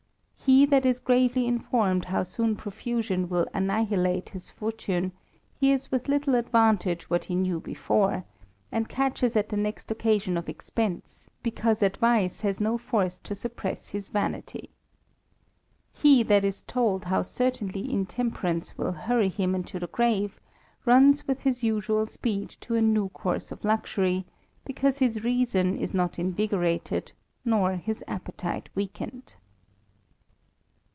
He that gravely informed how soon profusion will annihilate fortune, hears with Uttle advantage what he knew before^ and catches at the next occasion of expense, because advice has no force to suppress his vanity. He that is tolcS how certainly intemperance will hurry him to the graven runs with his usual speed to a new course of luxury, because his reason is not invigorated, nor his appetite weakened.